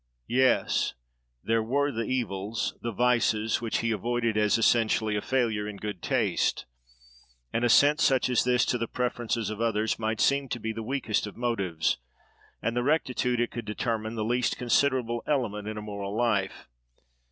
Yes! there were the evils, the vices, which he avoided as, essentially, a failure in good taste. An assent, such as this, to the preferences of others, might seem to be the weakest of motives, and the rectitude it could determine the least considerable element in a moral life.